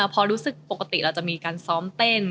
พอรู้สึกปกติเราจะมีการซ้อมเต้น